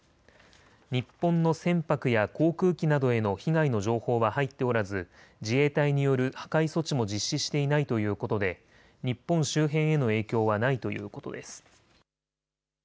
日本の船舶や航空機などへの被害の情報は入っておらず自衛隊による破壊措置も実施していないということで日本周辺への影響はないということです。